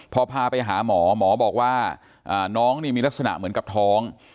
พอพาไปหาหมอหมอบอกว่าน้องนี่มีลักษณะเหมือนกับท้อง